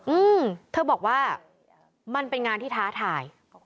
อืมเธอบอกว่ามันเป็นงานที่ท้าทาย